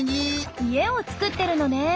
家を作ってるのね。